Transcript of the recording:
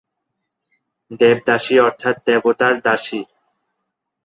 দেবদাসী অর্থাৎ দেবতার দাসী।